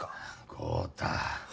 豪太。